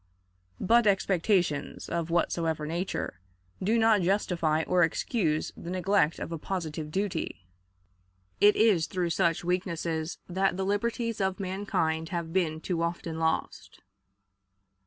But expectations, of whatsoever nature, do not justify or excuse the neglect of a positive duty. It is through such weaknesses that the liberties of mankind have been too often lost.